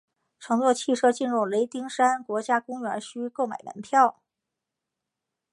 乘坐汽车进入雷丁山国家公园需购买门票。